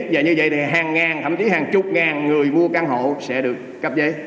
và như vậy thì hàng ngàn thậm chí hàng chục ngàn người mua căn hộ sẽ được cấp giấy